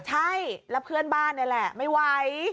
ใช่แล้วเพื่อนบ้านนี่แหละไม่ไหว